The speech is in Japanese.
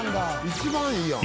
「一番いいやん」